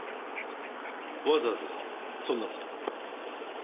わざわざそんな事を？